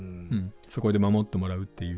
そこで守ってもらうっていう。